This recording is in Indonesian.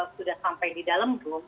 sudah sampai di dalam grup